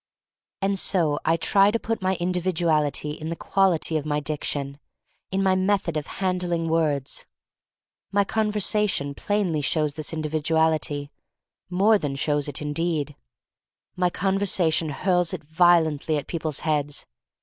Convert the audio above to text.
And so I try to put my individuality in the quality of my diction, in my method of handling words. My conversation plainly shows this individuality — more than shows it, indeed. My conversation hurls it vio lently at people's heads.